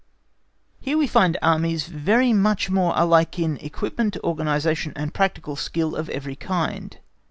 Here we find Armies much more alike in equipment, organisation, and practical skill of every kind.